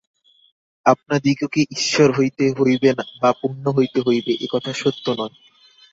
আপনাদিগকে ঈশ্বর হইতে হইবে বা পূর্ণ হইতে হইবে, এ কথা সত্য নয়।